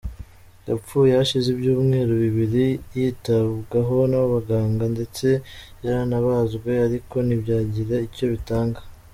Yapfuye hashize ibyumweru bibiri yitabwaho n’abaganga ndetse yarabazwe ariko ntibyagira icyo bitanga.